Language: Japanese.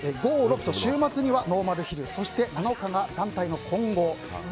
５、６と週末にはノーマルヒルそして、７日が団体の混合。